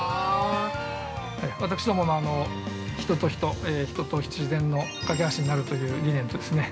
私どもの「人と人、人と自然のかけ橋になる」という理念とですね